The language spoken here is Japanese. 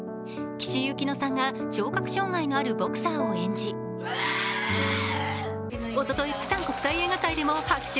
岸井ゆきのさんが聴覚障害のあるボクサーを演じおととい、釜山国際映画祭でも拍手喝采。